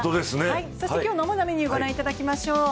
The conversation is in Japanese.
今日の主なメニューを御覧いただきましょう。